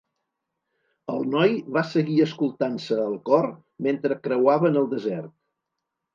El noi va seguir escoltar-se el cor metre creuaven el desert.